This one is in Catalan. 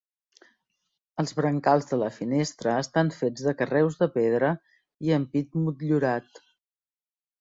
Els brancals de la finestra estan fets de carreus de pedra, i ampit motllurat.